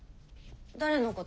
誰のこと？